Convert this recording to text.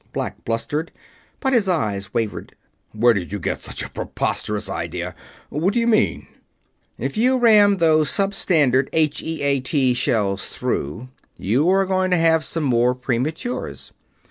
Black blustered, but his eyes wavered. "Where did you get such a preposterous idea? What do you mean?" "If you ram those sub standard H.E.A.T. shell through, you are going to have some more prematures.